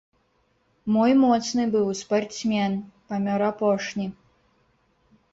Мой моцны быў, спартсмен, памёр апошні.